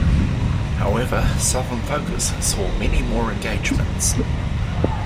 However, Southern Focus saw many more engagements.